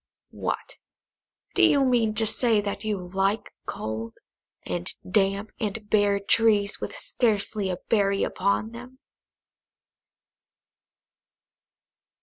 "What, do you mean to say that you like cold, and damp, and bare trees, with scarcely a berry upon them?"